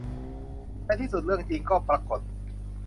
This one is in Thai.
ในที่สุดเรื่องจริงก็ปรากฏ